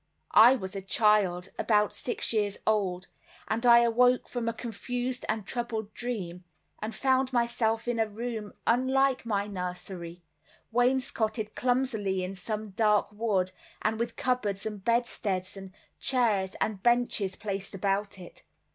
I was a child, about six years old, and I awoke from a confused and troubled dream, and found myself in a room, unlike my nursery, wainscoted clumsily in some dark wood, and with cupboards and bedsteads, and chairs, and benches placed about it.